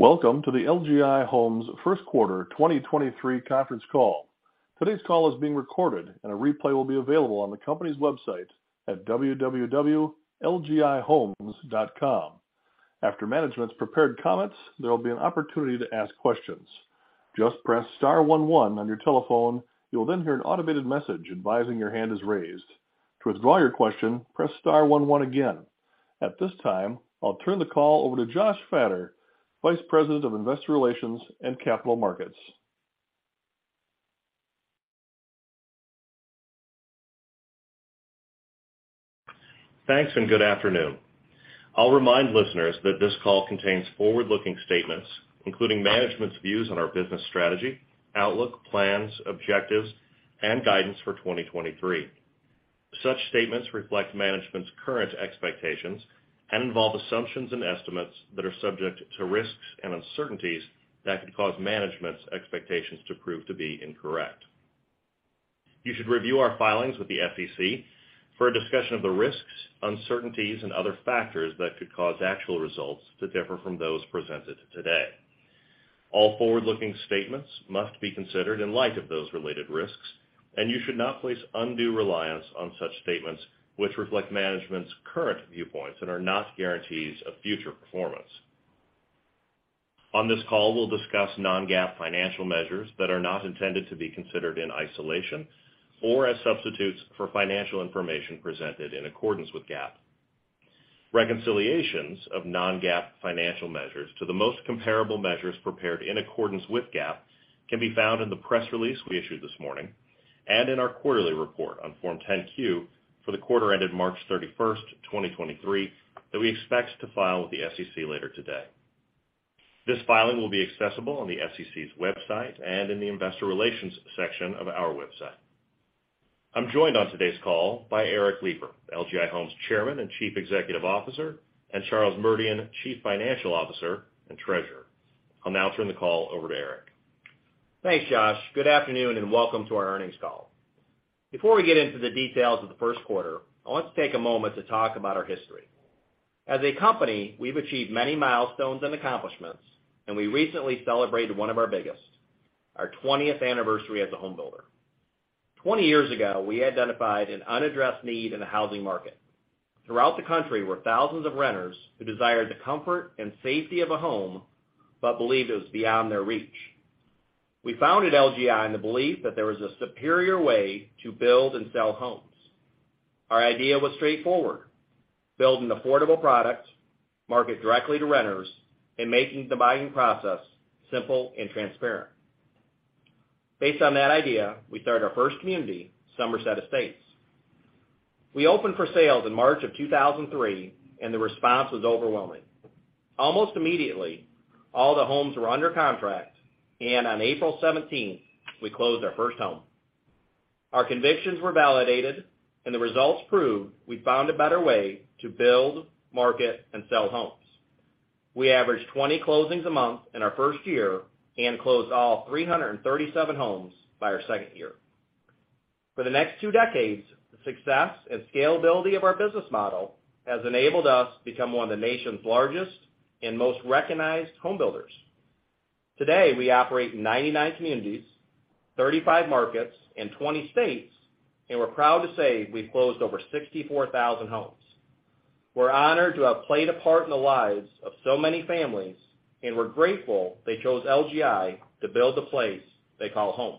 Welcome to the LGI Homes First Quarter 2023 Conference Call. Today's call is being recorded, and a replay will be available on the company's website at www.lgihomes.com. After management's prepared comments, there will be an opportunity to ask questions. Just press star one one on your telephone. You will hear an automated message advising your hand is raised. To withdraw your question, press star one one again. At this time, I'll turn the call over to Josh Fattor, Vice President of Investor Relations and Capital Markets. Thanks, and good afternoon. I'll remind listeners that this call contains forward-looking statements, including management's views on our business strategy, outlook, plans, objectives, and guidance for 2023. Such statements reflect management's current expectations and involve assumptions and estimates that are subject to risks and uncertainties that could cause management's expectations to prove to be incorrect. You should review our filings with the SEC for a discussion of the risks, uncertainties and other factors that could cause actual results to differ from those presented today. All forward-looking statements must be considered in light of those related risks, and you should not place undue reliance on such statements which reflect management's current viewpoints and are not guarantees of future performance. On this call, we'll discuss non-GAAP financial measures that are not intended to be considered in isolation or as substitutes for financial information presented in accordance with GAAP. Reconciliations of non-GAAP financial measures to the most comparable measures prepared in accordance with GAAP can be found in the press release we issued this morning and in our quarterly report on Form 10-Q for the quarter ended March 31, 2023 that we expect to file with the SEC later today. This filing will be accessible on the SEC's website and in the investor relations section of our website. I'm joined on today's call by Eric Lipar, LGI Homes Chairman and Chief Executive Officer, and Charles Merdian, Chief Financial Officer and Treasurer. I'll now turn the call over to Eric. Thanks, Josh. Good afternoon. Welcome to our earnings call. Before we get into the details of the first quarter, I want to take a moment to talk about our history. As a company, we've achieved many milestones and accomplishments. We recently celebrated one of our biggest, our twentieth anniversary as a home builder. Twenty years ago, we identified an unaddressed need in the housing market. Throughout the country were thousands of renters who desired the comfort and safety of a home but believed it was beyond their reach. We founded LGI in the belief that there was a superior way to build and sell homes. Our idea was straightforward, build an affordable product, market directly to renters, making the buying process simple and transparent. Based on that idea, we started our first community, Somerset Estates. We opened for sales in March 2003, and the response was overwhelming. Almost immediately, all the homes were under contract, and on April 17th, we closed our first home. Our convictions were validated, and the results proved we'd found a better way to build, market, and sell homes. We averaged 20 closings a month in our first year and closed all 337 homes by our second year. For the next two decades, the success and scalability of our business model has enabled us to become one of the nation's largest and most recognized home builders. Today, we operate in 99 communities, 35 markets, and 20 states, and we're proud to say we've closed over 64,000 homes. We're honored to have played a part in the lives of so many families, and we're grateful they chose LGI to build the place they call home.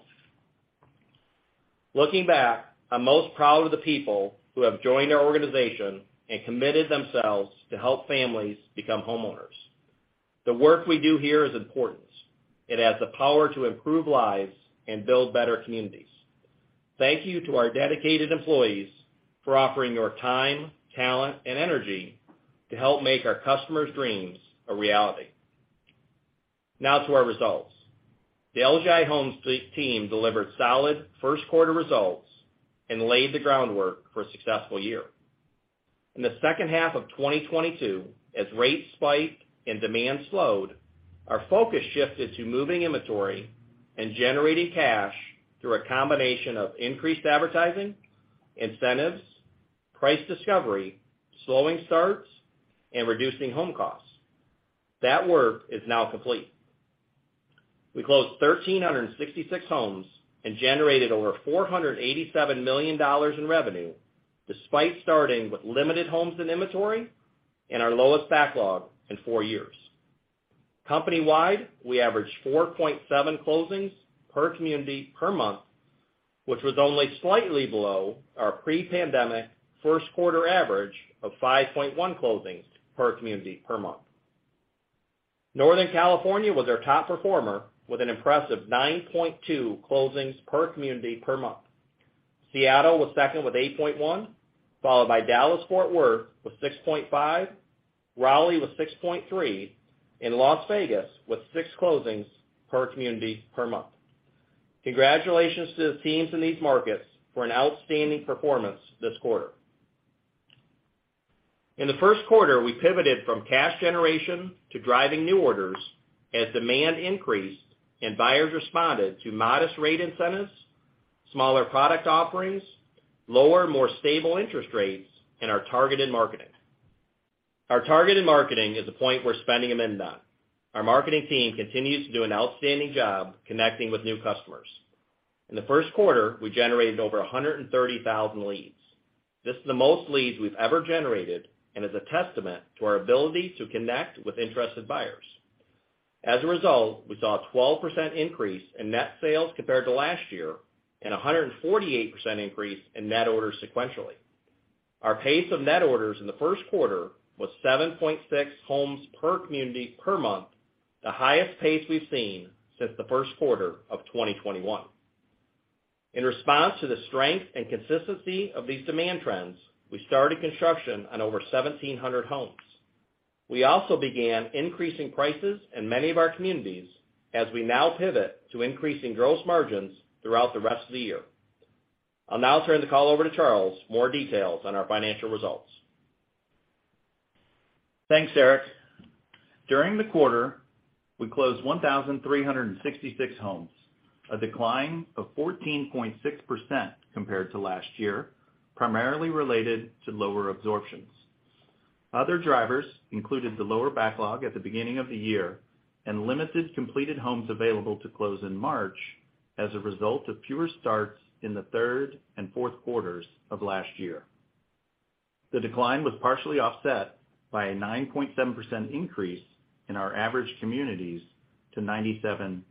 Looking back, I'm most proud of the people who have joined our organization and committed themselves to help families become homeowners. The work we do here is important. It has the power to improve lives and build better communities. Thank you to our dedicated employees for offering your time, talent, and energy to help make our customers' dreams a reality. Now to our results. The LGI Homes team delivered solid first quarter results and laid the groundwork for a successful year. In the second half of 2022, as rates spiked and demand slowed, our focus shifted to moving inventory and generating cash through a combination of increased advertising, incentives, price discovery, slowing starts, and reducing home costs. That work is now complete. We closed 1,366 homes and generated over $487 million in revenue despite starting with limited homes and inventory and our lowest backlog in 4 years. Company-wide, we averaged 4.7 closings per community per month, which was only slightly below our pre-pandemic first quarter average of 5.1 closings per community per month. Northern California was our top performer with an impressive 9.2 closings per community per month. Seattle was second with 8.1, followed by Dallas-Fort Worth with 6.5, Raleigh with 6.3, and Las Vegas with 6 closings per community per month. Congratulations to the teams in these markets for an outstanding performance this quarter. In the first quarter, we pivoted from cash generation to driving new orders as demand increased and buyers responded to modest rate incentives. Smaller product offerings, lower, more stable interest rates, and our targeted marketing. Our targeted marketing is a point we're spending amend on. Our marketing team continues to do an outstanding job connecting with new customers. In the first quarter, we generated over 130,000 leads. This is the most leads we've ever generated and is a testament to our ability to connect with interested buyers. As a result, we saw a 12% increase in net sales compared to last year and a 148% increase in net orders sequentially. Our pace of net orders in the first quarter was 7.6 homes per community per month, the highest pace we've seen since the first quarter of 2021. In response to the strength and consistency of these demand trends, we started construction on over 1,700 homes. We also began increasing prices in many of our communities as we now pivot to increasing gross margins throughout the rest of the year. I'll now turn the call over to Charles for more details on our financial results. Thanks, Eric. During the quarter, we closed 1,366 homes, a decline of 14.6% compared to last year, primarily related to lower absorptions. Other drivers included the lower backlog at the beginning of the year and limited completed homes available to close in March as a result of fewer starts in the third and fourth quarters of last year. The decline was partially offset by a 9.7% increase in our average communities to 97.7.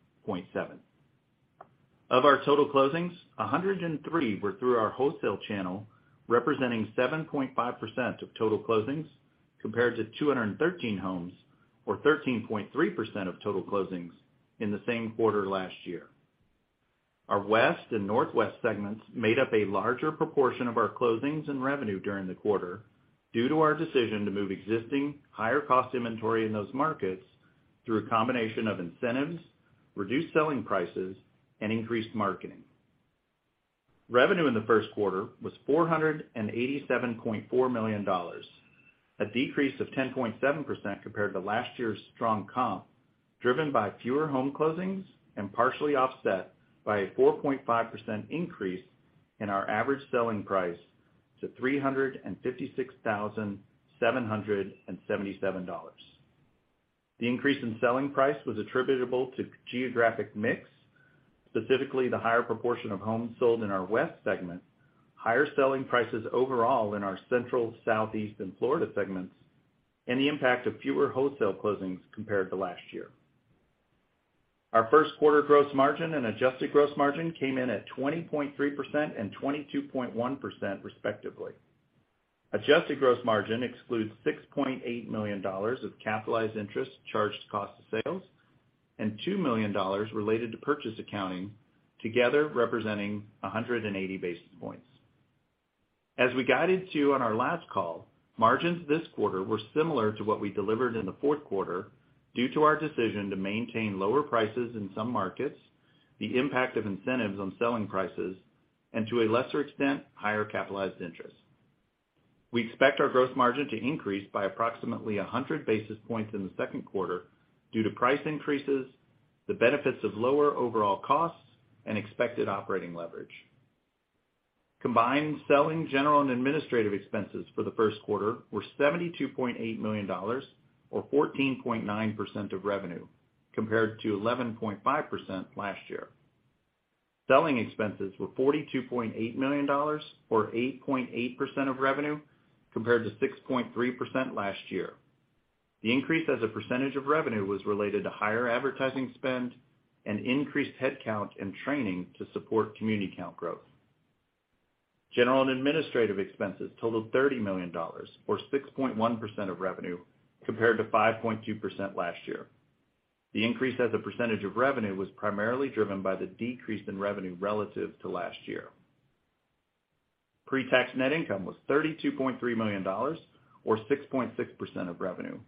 Of our total closings, 103 were through our wholesale channel, representing 7.5% of total closings compared to 213 homes or 13.3% of total closings in the same quarter last year. Our West and Northwest segments made up a larger proportion of our closings and revenue during the quarter due to our decision to move existing higher-cost inventory in those markets through a combination of incentives, reduced selling prices, and increased marketing. Revenue in the first quarter was $487.4 million, a decrease of 10.7% compared to last year's strong comp, driven by fewer home closings and partially offset by a 4.5% increase in our average selling price to $356,777. The increase in selling price was attributable to geographic mix, specifically the higher proportion of homes sold in our West segment, higher selling prices overall in our Central, Southeast, and Florida segments, and the impact of fewer wholesale closings compared to last year. Our first quarter gross margin and adjusted gross margin came in at 20.3% and 22.1%, respectively. Adjusted gross margin excludes $6.8 million of capitalized interest charged to cost of sales and $2 million related to purchase accounting, together representing 180 basis points. As we guided to on our last call, margins this quarter were similar to what we delivered in the fourth quarter due to our decision to maintain lower prices in some markets, the impact of incentives on selling prices, and to a lesser extent, higher capitalized interest. We expect our gross margin to increase by approximately 100 basis points in the second quarter due to price increases, the benefits of lower overall costs, and expected operating leverage. Combined selling general and administrative expenses for the first quarter were $72.8 million or 14.9% of revenue compared to 11.5% last year. Selling expenses were $42.8 million or 8.8% of revenue compared to 6.3% last year. The increase as a percentage of revenue was related to higher advertising spend and increased headcount and training to support community count growth. General and administrative expenses totaled $30 million or 6.1% of revenue compared to 5.2% last year. The increase as a percentage of revenue was primarily driven by the decrease in revenue relative to last year. Pre-tax net income was $32.3 million or 6.6% of revenue.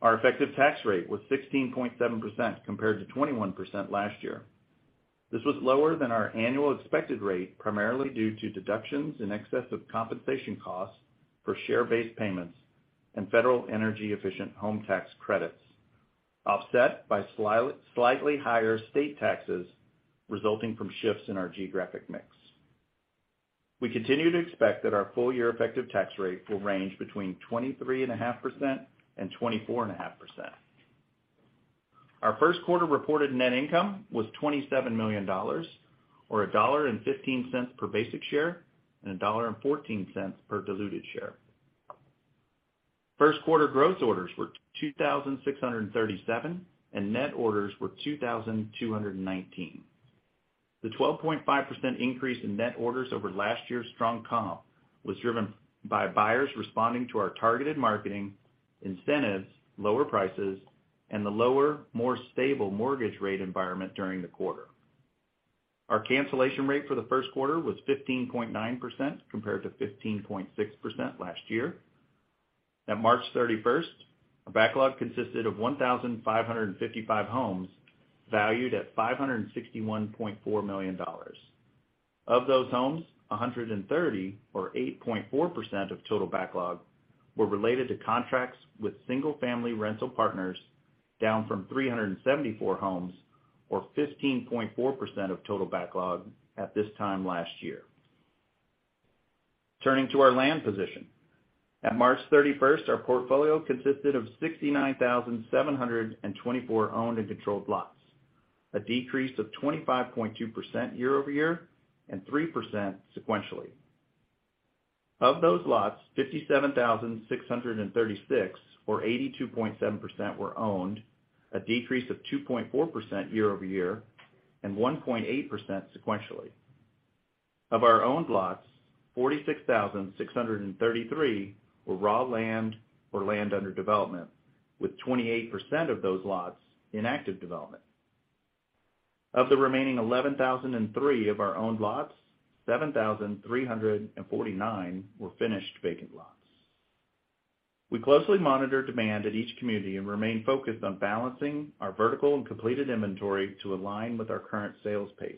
Our effective tax rate was 16.7% compared to 21% last year. This was lower than our annual expected rate, primarily due to deductions in excess of compensation costs for share-based payments and federal energy-efficient home tax credits, offset by slightly higher state taxes resulting from shifts in our geographic mix. We continue to expect that our full year effective tax rate will range between 23.5% and 24.5%. Our first quarter reported net income was $27 million or $1.15 per basic share and $1.14 per diluted share. First quarter gross orders were 2,637, and net orders were 2,219. The 12.5% increase in net orders over last year's strong comp was driven by buyers responding to our targeted marketing, incentives, lower prices, and the lower, more stable mortgage rate environment during the quarter. Our cancellation rate for the first quarter was 15.9% compared to 15.6% last year. At March thirty-first, our backlog consisted of 1,555 homes valued at $561.4 million. Of those homes, 130 or 8.4% of total backlog were related to contracts with single-family rental partners down from 374 homes or 15.4% of total backlog at this time last year. Turning to our land position. At March 31st, our portfolio consisted of 69,724 owned and controlled lots, a decrease of 25.2% year-over-year and 3% sequentially. Of those lots, 57,636 or 82.7% were owned, a decrease of 2.4% year-over-year and 1.8% sequentially. Of our owned lots, 46,633 were raw land or land under development, with 28% of those lots in active development. Of the remaining 11,003 of our owned lots, 7,349 were finished vacant lots. We closely monitor demand at each community and remain focused on balancing our vertical and completed inventory to align with our current sales pace.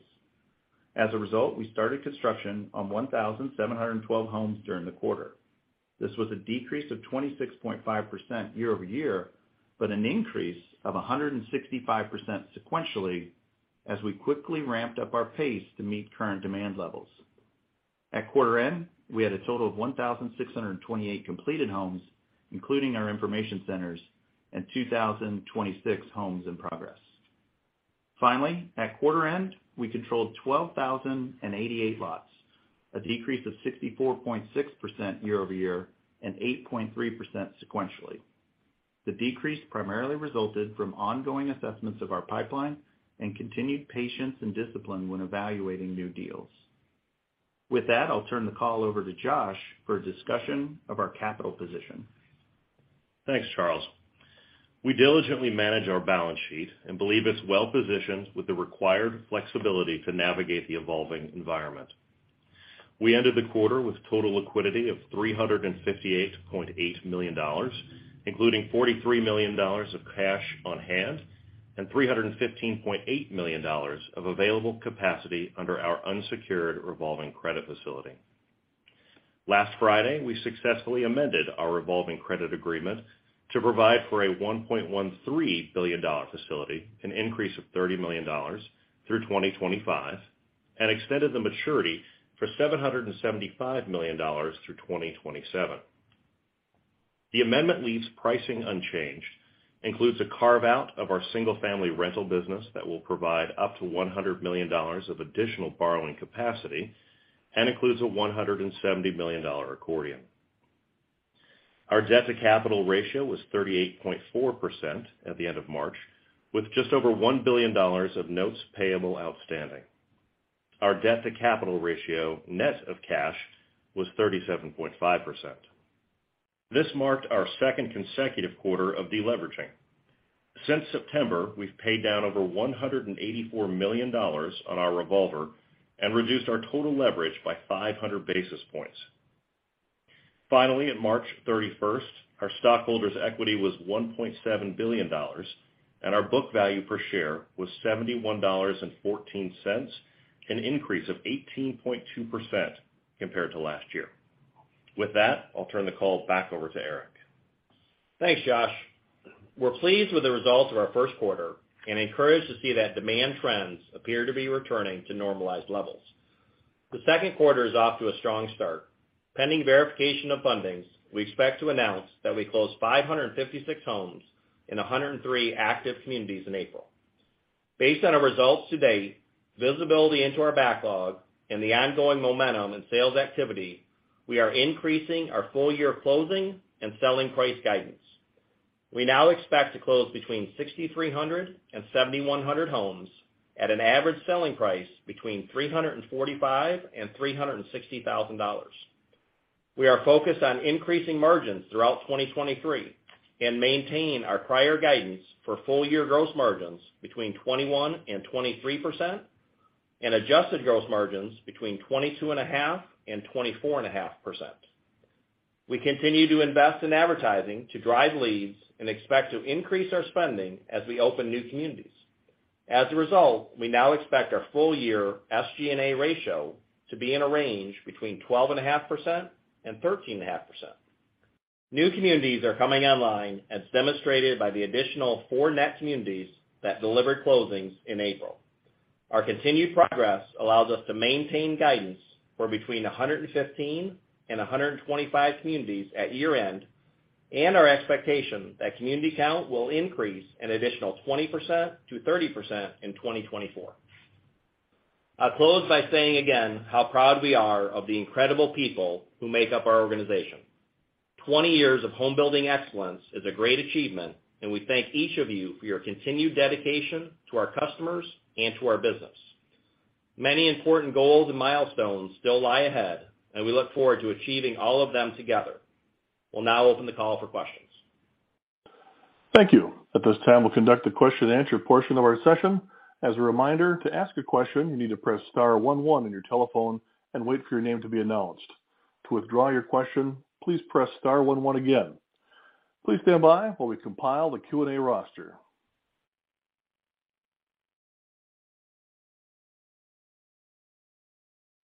We started construction on 1,712 homes during the quarter. This was a decrease of 26.5% year-over-year, but an increase of 165% sequentially as we quickly ramped up our pace to meet current demand levels. At quarter end, we had a total of 1,628 completed homes, including our information centers and 2,026 homes in progress. At quarter end, we controlled 12,088 lots, a decrease of 64.6% year-over-year and 8.3% sequentially. The decrease primarily resulted from ongoing assessments of our pipeline and continued patience and discipline when evaluating new deals. With that, I'll turn the call over to Josh for a discussion of our capital position. Thanks, Charles. We diligently manage our balance sheet and believe it's well positioned with the required flexibility to navigate the evolving environment. We ended the quarter with total liquidity of $358.8 million, including $43 million of cash on hand and $315.8 million of available capacity under our unsecured revolving credit facility. Last Friday, we successfully amended our revolving credit agreement to provide for a $1.13 billion facility, an increase of $30 million through 2025, and extended the maturity for $775 million through 2027. The amendment leaves pricing unchanged, includes a carve-out of our single-family rental business that will provide up to $100 million of additional borrowing capacity, and includes a $170 million accordion. Our debt-to-capital ratio was 38.4% at the end of March, with just over $1 billion of notes payable outstanding. Our debt-to-capital ratio, net of cash, was 37.5%. This marked our second consecutive quarter of deleveraging. Since September, we've paid down over $184 million on our revolver and reduced our total leverage by 500 basis points. Finally, at March 31st, our stockholders' equity was $1.7 billion, and our book value per share was $71.14, an increase of 18.2% compared to last year. With that, I'll turn the call back over to Eric. Thanks, Josh. We're pleased with the results of our first quarter and encouraged to see that demand trends appear to be returning to normalized levels. The second quarter is off to a strong start. Pending verification of fundings, we expect to announce that we closed 556 homes in 103 active communities in April. Based on our results to date, visibility into our backlog and the ongoing momentum in sales activity, we are increasing our full year closing and selling price guidance. We now expect to close between 6,300 and 7,100 homes at an average selling price between $345,000 and $360,000. We are focused on increasing margins throughout 2023 and maintain our prior guidance for full year gross margins between 21% and 23% and adjusted gross margins between 22.5%-24.5%. We continue to invest in advertising to drive leads and expect to increase our spending as we open new communities. We now expect our full year SG&A ratio to be in a range between 12.5% and 13.5%. New communities are coming online as demonstrated by the additional four net communities that delivered closings in April. Our continued progress allows us to maintain guidance for between 115 and 125 communities at year-end and our expectation that community count will increase an additional 20%-30% in 2024. I'll close by saying again how proud we are of the incredible people who make up our organization. 20 years of home building excellence is a great achievement, and we thank each of you for your continued dedication to our customers and to our business. Many important goals and milestones still lie ahead, and we look forward to achieving all of them together. We'll now open the call for questions. Thank you. At this time, we'll conduct the question and answer portion of our session. As a reminder, to ask a question, you need to press star one one on your telephone and wait for your name to be announced. To withdraw your question, please press star one one again. Please stand by while we compile the Q&A roster.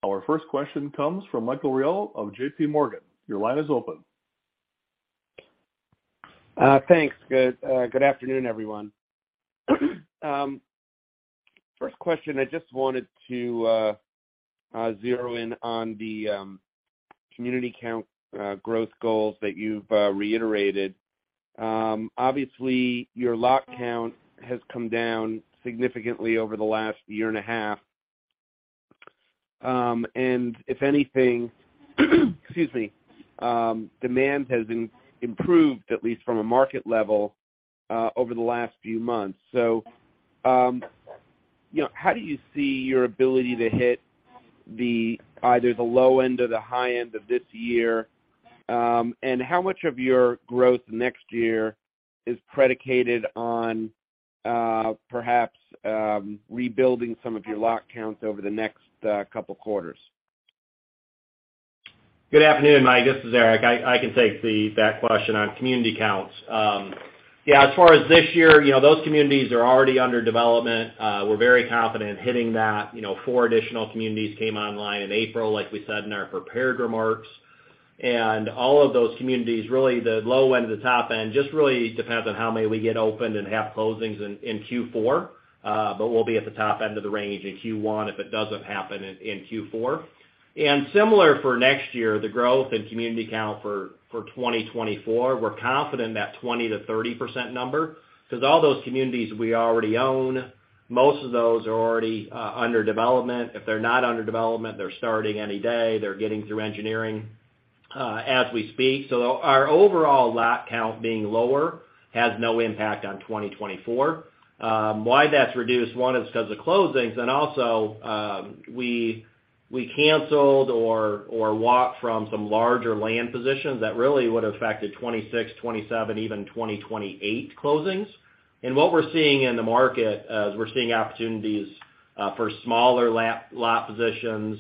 Our first question comes from Michael Rehaut of JPMorgan. Your line is open. Thanks. Good, good afternoon, everyone. First question, I just wanted to zero in on the community count growth goals that you've reiterated. Obviously, your lot count has come down significantly over the last year and a half. And if anything, excuse me, demand has improved, at least from a market level, over the last few months. You know, how do you see your ability to hit the, either the low end or the high end of this year? And how much of your growth next year is predicated on, perhaps, rebuilding some of your lot counts over the next couple quarters? Good afternoon, Michael. This is Eric. I can take that question on community counts. Yeah, as far as this year, you know, those communities are already under development. We're very confident hitting that. You know, four additional communities came online in April, like we said in our prepared remarks. All of those communities, really the low end to the top end, just really depends on how many we get opened and have closings in Q4. We'll be at the top end of the range in Q1 if it doesn't happen in Q4. Similar for next year, the growth in community count for 2024, we're confident in that 20%-30% number, 'cause all those communities we already own, most of those are already under development. If they're not under development, they're starting any day. They're getting through engineering as we speak. Our overall lot count being lower has no impact on 2024. Why that's reduced, one, is 'cause of closings. Also, we canceled or walked from some larger land positions that really would've affected 26, 27, even 2028 closings. What we're seeing in the market is we're seeing opportunities for smaller lot positions,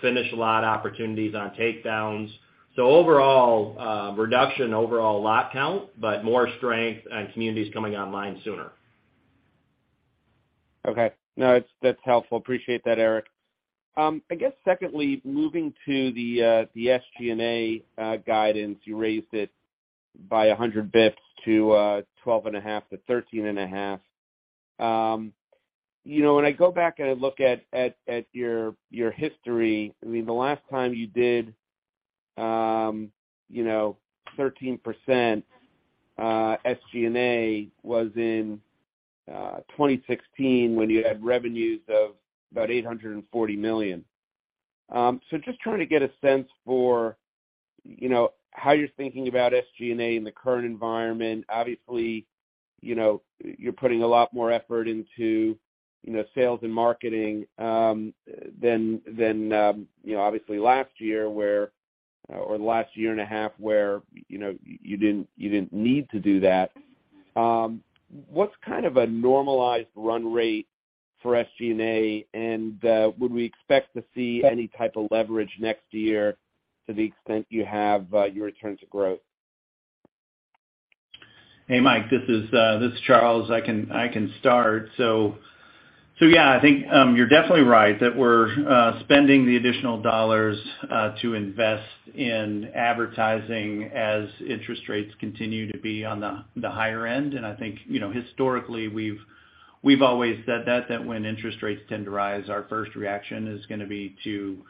finished lot opportunities on takedowns. Overall, reduction overall lot count, but more strength on communities coming online sooner. Okay. No, that's helpful. Appreciate that, Eric. I guess secondly, moving to the SG&A guidance, you raised it by 100 basis points to 12.5% to 13.5%. You know, when I go back and I look at your history, I mean, the last time you did, you know, 13% SG&A was in 2016 when you had revenues of about $840 million. Just trying to get a sense for, you know, how you're thinking about SG&A in the current environment. Obviously, you know, you're putting a lot more effort into, you know, sales and marketing than, you know, obviously last year where, or the last year and a half where, you didn't need to do that. What's kind of a normalized run rate for SG&A? Would we expect to see any type of leverage next year to the extent you have your return to growth? Hey, Mike, this is Charles. I can start. Yeah, I think you're definitely right that we're spending the additional dollars to invest in advertising as interest rates continue to be on the higher end. I think, you know, historically we've always said that when interest rates tend to rise, our first reaction is gonna be to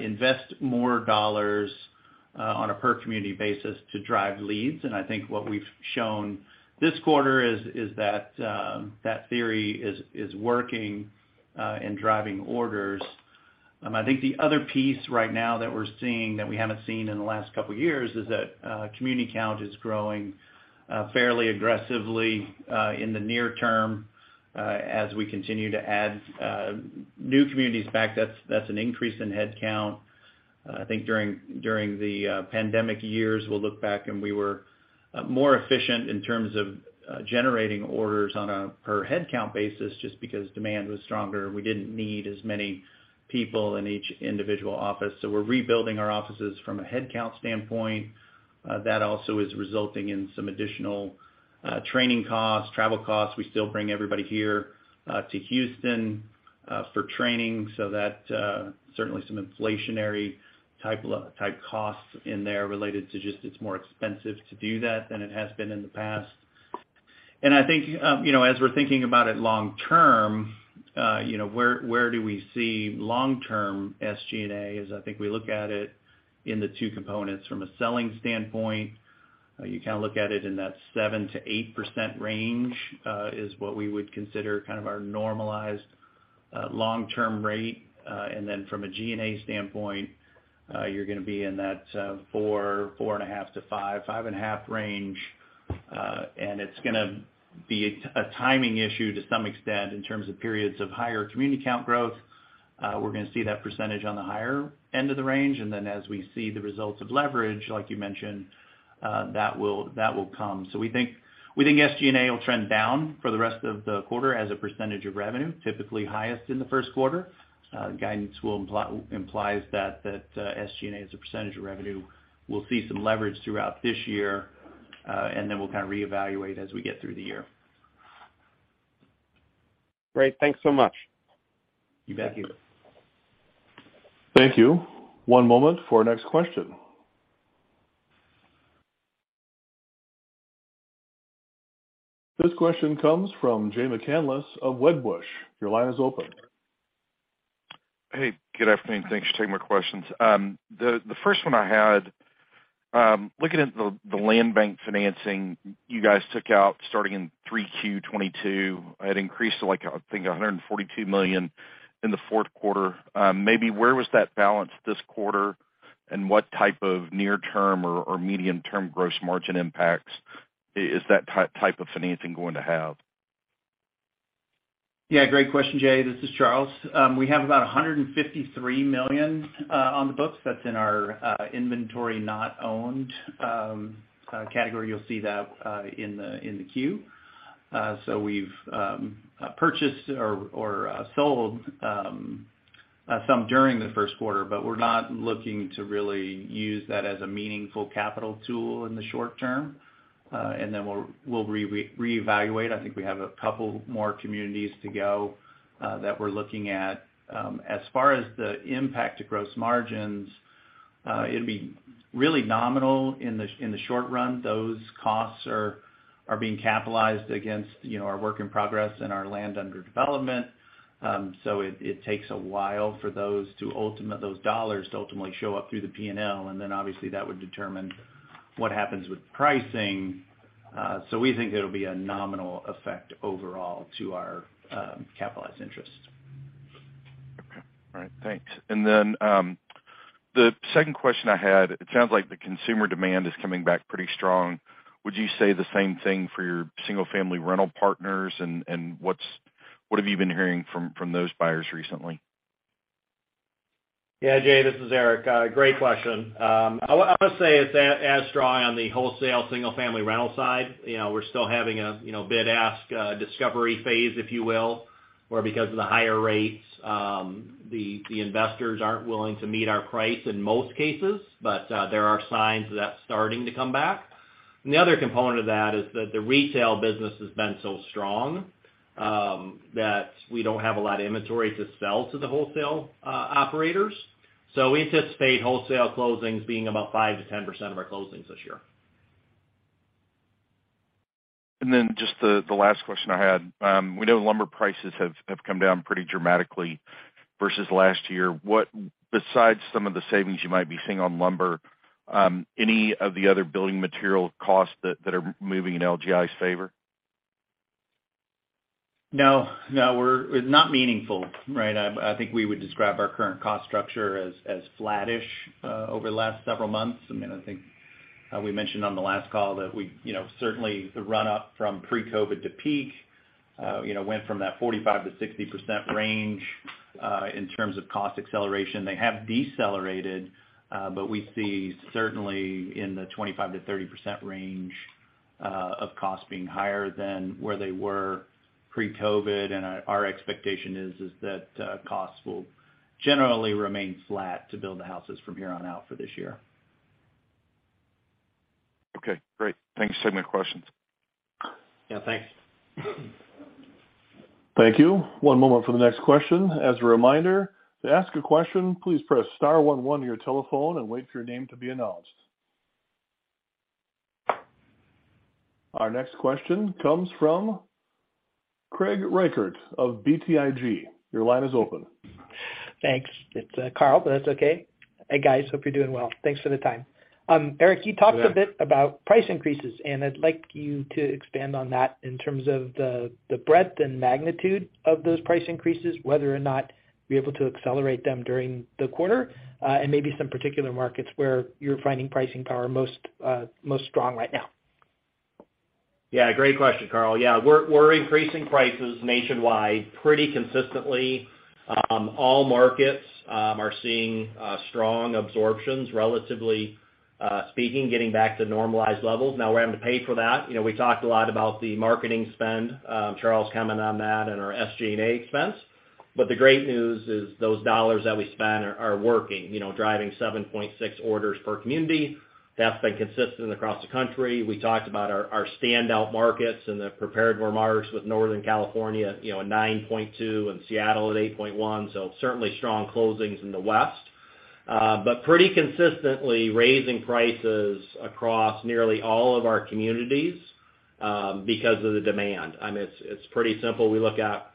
invest more dollars on a per community basis to drive leads. I think what we've shown this quarter is that theory is working in driving orders. I think the other piece right now that we're seeing that we haven't seen in the last couple years is that community count is growing fairly aggressively in the near term as we continue to add new communities back. That's an increase in head count. I think during the pandemic years, we'll look back and we were more efficient in terms of generating orders on a per head count basis just because demand was stronger. We didn't need as many people in each individual office. We're rebuilding our offices from a head count standpoint. That also is resulting in some additional training costs, travel costs. We still bring everybody here to Houston for training. That certainly some inflationary type costs in there related to just it's more expensive to do that than it has been in the past. I think, you know, as we're thinking about it long term, you know, where do we see long-term SG&A is I think we look at it in the two components from a selling standpoint. You kind of look at it in that 7%-8% range, is what we would consider kind of our normalized, long-term rate. From a G&A standpoint, you're gonna be in that 4%, 4.5% to 5%, 5.5% range. It's gonna be a timing issue to some extent in terms of periods of higher community count growth. We're gonna see that percentage on the higher end of the range. As we see the results of leverage, like you mentioned, that will come. We think SG&A will trend down for the rest of the quarter as a percentage of revenue, typically highest in the first quarter. Guidance implies that SG&A, as a percentage of revenue, will see some leverage throughout this year, we'll kind of reevaluate as we get through the year. Great. Thanks so much. You bet. Thank you. Thank you. One moment for our next question. This question comes from Jay McCanless of Wedbush. Your line is open. Hey, good afternoon. Thanks for taking my questions. The first one I had, looking at the land bank financing you guys took out starting in 3Q 2022, it increased to, like, I think, $142 million in the fourth quarter. Maybe where was that balance this quarter, and what type of near term or medium-term gross margin impacts is that type of financing going to have? Great question, Jay. This is Charles. We have about $153 million on the books. That's in our inventory not owned category. You'll see that in the Q. We've purchased or sold some during the first quarter, but we're not looking to really use that as a meaningful capital tool in the short term. We'll reevaluate. I think we have a couple more communities to go that we're looking at. As far as the impact to gross margins, it'd be really nominal in the short run. Those costs are being capitalized against, you know, our work in progress and our land under development. It takes a while for those to ultimate...those dollars to ultimately show up through the P&L, and then obviously that would determine what happens with pricing. We think it'll be a nominal effect overall to our capitalized interest. Okay. All right. Thanks. The second question I had, it sounds like the consumer demand is coming back pretty strong. Would you say the same thing for your single-family rental partners, and what's, what have you been hearing from those buyers recently? Yeah, Jay, this is Eric. Great question. I must say it's as strong on the wholesale single-family rental side. You know, we're still having a, you know, bid-ask discovery phase, if you will, where because of the higher rates, the investors aren't willing to meet our price in most cases. There are signs that's starting to come back. The other component of that is that the retail business has been so strong, that we don't have a lot of inventory to sell to the wholesale operators. We anticipate wholesale closings being about 5%-10% of our closings this year. Just the last question I had, we know lumber prices have come down pretty dramatically versus last year. What, besides some of the savings you might be seeing on lumber, any of the other building material costs that are moving in LGI's favor? No, no. It's not meaningful, right? I think we would describe our current cost structure as flattish over the last several months. I mean, I think we mentioned on the last call that we, you know, certainly the run-up from pre-COVID to peak, you know, went from that 45%-60% range in terms of cost acceleration. They have decelerated, we see certainly in the 25%-30% range of costs being higher than where they were pre-COVID. Our expectation is that costs will generally remain flat to build the houses from here on out for this year. Okay, great. Thanks. That's all my questions. Yeah, thanks. Thank you. One moment for the next question. As a reminder, to ask a question, please press star one one on your telephone and wait for your name to be announced. Our next question comes from Carl Reichardt of BTIG. Your line is open. Thanks. It's Carl, but that's okay. Hey, guys. Hope you're doing well. Thanks for the time. Eric, you talked Yeah. -a bit about price increases, and I'd like you to expand on that in terms of the breadth and magnitude of those price increases, whether or not you're able to accelerate them during the quarter, and maybe some particular markets where you're finding pricing power most strong right now. Great question, Carl. We're increasing prices nationwide pretty consistently. All markets are seeing strong absorptions relatively speaking, getting back to normalized levels. Now we're having to pay for that. You know, we talked a lot about the marketing spend, Charles commented on that, and our SG&A expense. The great news is those dollars that we spend are working, you know, driving 7.6 orders per community. That's been consistent across the country. We talked about our standout markets in the prepared remarks with Northern California, you know, at 9.2 and Seattle at 8.1, so certainly strong closings in the West. Pretty consistently raising prices across nearly all of our communities because of the demand. I mean, it's pretty simple. We look at,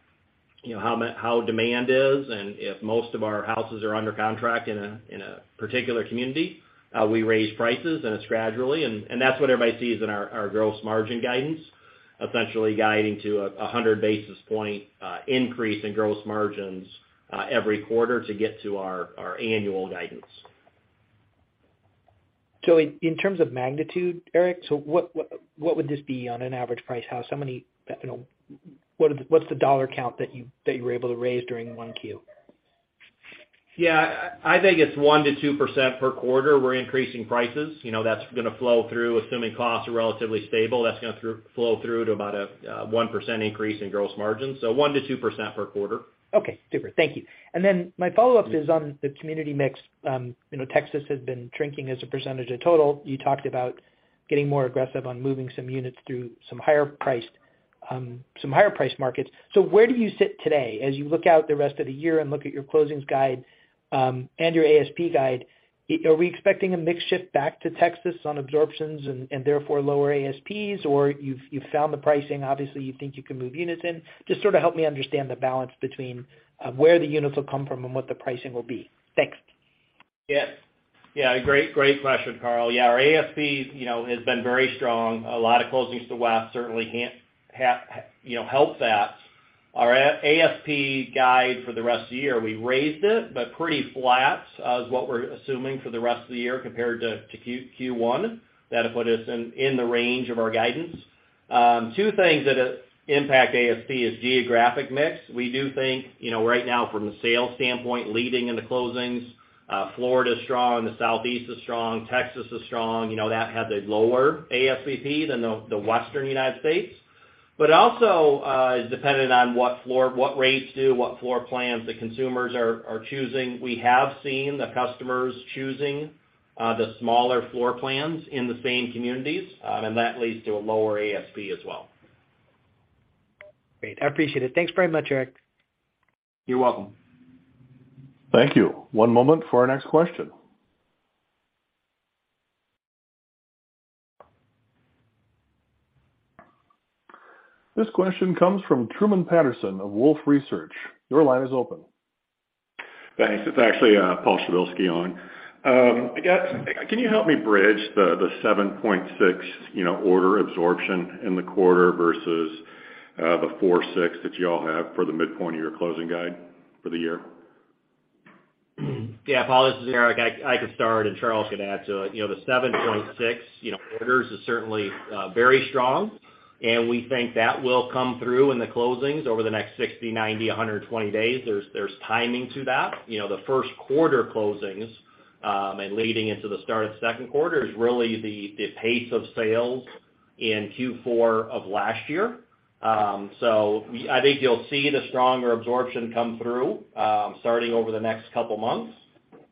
you know, how demand is, and if most of our houses are under contract in a particular community, we raise prices, and it's gradually, and that's what everybody sees in our gross margin guidance, essentially guiding to a 100 basis point increase in gross margins every quarter to get to our annual guidance. In terms of magnitude, Eric, so what would this be on an average price house? How many... You know, what's the dollar count that you were able to raise during one Q? Yeah. I think it's 1%-2% per quarter we're increasing prices. You know, that's gonna flow through, assuming costs are relatively stable, that's gonna flow through to about a 1% increase in gross margin, so 1%-2% per quarter. Okay, super. Thank you. My follow-up is on the community mix. you know, Texas has been shrinking as a % of total. You talked aboutetting more aggressive on moving some units through some higher priced, some higher priced markets. Where do you sit today as you look out the rest of the year and look at your closings guide, and your ASP guide, are we expecting a mix shift back to Texas on absorptions and therefore lower ASPs? You've found the pricing, obviously, you think you can move units in. Just sort of help me understand the balance between where the units will come from and what the pricing will be. Thanks. Yes. Yeah, great question, Carl. Yeah, our ASP, you know, has been very strong. A lot of closings to west certainly can't, you know, help that. Our ASP guide for the rest of the year, we raised it, but pretty flat is what we're assuming for the rest of the year compared to Q1. That'll put us in the range of our guidance. Two things that impact ASP is geographic mix. We do think, you know, right now from a sales standpoint, leading in the closings, Florida's strong, the Southeast is strong, Texas is strong. You know, that has a lower ASP than the western United States. Also, dependent on what rates do, what floor plans the consumers are choosing. We have seen the customers choosing, the smaller floor plans in the same communities. That leads to a lower ASP as well. Great. I appreciate it. Thanks very much, Eric. You're welcome. Thank you. One moment for our next question. This question comes from Truman Patterson of Wolfe Research. Your line is open. Thanks. It's actually Paul Przybylski on. Can you help me bridge the 7.6, you know, order absorption in the quarter versus the 4.6 that you all have for the midpoint of your closing guide for the year? Yeah, Paul, this is Eric. I can start, and Charles could add to it. You know, the 7.6, you know, orders is certainly very strong, and we think that will come through in the closings over the next 60, 90, 120 days. There's timing to that. You know, the first quarter closings, and leading into the start of second quarter is really the pace of sales in Q4 of last year. I think you'll see the stronger absorption come through, starting over the next couple months.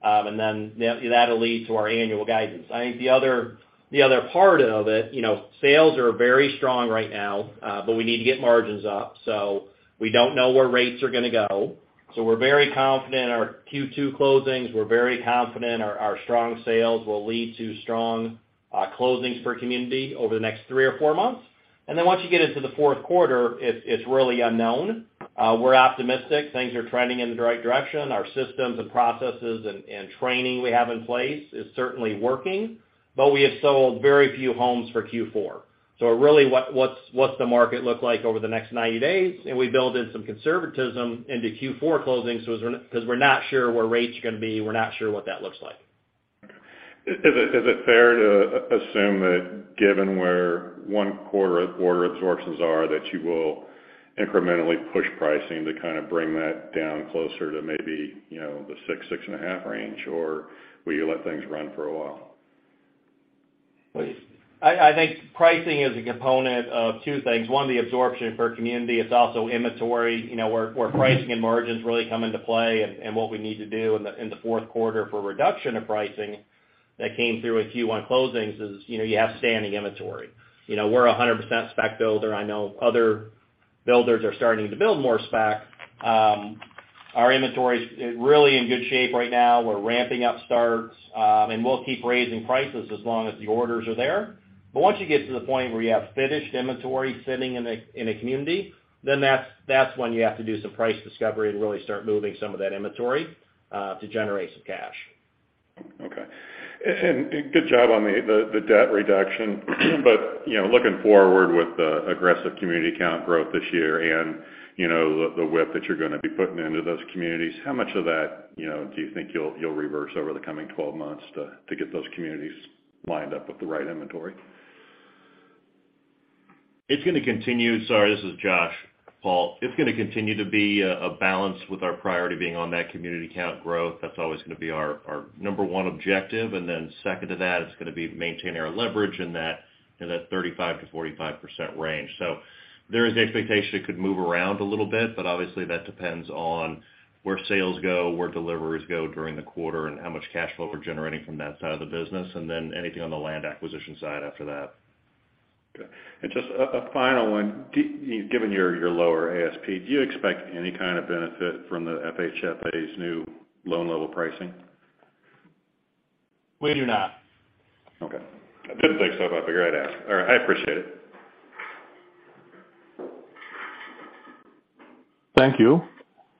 That'll lead to our annual guidance. I think the other part of it, you know, sales are very strong right now, we need to get margins up, we don't know where rates are gonna go. We're very confident in our Q2 closings, we're very confident our strong sales will lead to strong closings per community over the next three or four months. Once you get into the fourth quarter, it's really unknown. We're optimistic. Things are trending in the right direction. Our systems and processes and training we have in place is certainly working. We have sold very few homes for Q4. Really, what's the market look like over the next 90 days? We build in some conservatism into Q4 closings as we're, 'cause we're not sure where rates are gonna be. We're not sure what that looks like. Is it fair to assume that given where one quarter order absorptions are, that you will incrementally push pricing to kind of bring that down closer to maybe, you know, the 6 and a half range? Will you let things run for a while? I think pricing is a component of two things. one, the absorption per community. It's also inventory. You know, where pricing and margins really come into play and, what we need to do in the, in the fourth quarter for reduction of pricing that came through with you on closings is, you know, you have standing inventory. You know, we're a 100% spec builder. I know other builders are starting to build more spec. Our inventory's really in good shape right now. We're ramping up starts, and we'll keep raising prices as long as the orders are there. Once you get to the point where you have finished inventory sitting in a, in a community, then that's when you have to do some price discovery and really start moving some of that inventory to generate some cash. Okay. Good job on the debt reduction. You know, looking forward with the aggressive community count growth this year and, you know, the width that you're gonna be putting into those communities, how much of that, you know, do you think you'll reverse over the coming 12 months to get those communities lined up with the right inventory? It's gonna continue. Sorry, this is Josh, Paul. It's gonna continue to be a balance with our priority being on that community count growth. That's always gonna be our number one objective. Second to that, it's gonna be maintaining our leverage in that 35%-45% range. There is the expectation it could move around a little bit, but obviously that depends on where sales go, where deliveries go during the quarter, and how much cash flow we're generating from that side of the business, and then anything on the land acquisition side after that. Okay. Just a final one. Given your lower ASP, do you expect any kind of benefit from the FHFA's new loan-level price adjustment? We do not. Okay. Didn't think so, but I figured I'd ask. All right, I appreciate it. Thank you.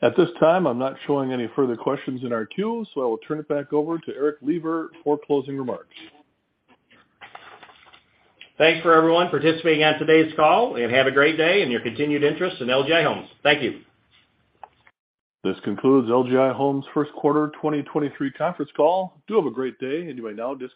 At this time, I'm676 not showing any further questions in our queue, so I will turn it back over to Eric Lipar for closing remarks. Thanks for everyone participating on today's call, and have a great day in your continued interest in LGI Homes. Thank you. This concludes LGI Homes' first quarter 2023 conference call. Do have a great day. You may now disconnect.